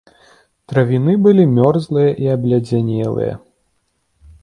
Травіны былі мёрзлыя і абледзянелыя.